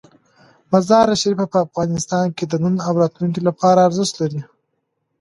مزارشریف په افغانستان کې د نن او راتلونکي لپاره ارزښت لري.